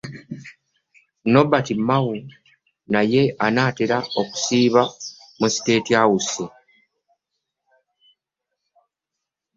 Norbert Mao mbu naye atera okusiiba mu State House.